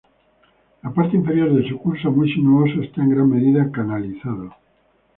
La parte inferior de su curso, muy sinuoso, está en gran medida canalizado.